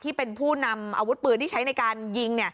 ที่เป็นผู้นำอาวุธปืนที่ใช้ในการยิง